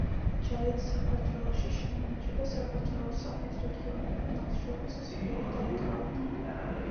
ჯარით საქართველოში შემოიჭრა და საქართველოს სამხრეთ რეგიონები, მათ შორის სპერი დაიკავა.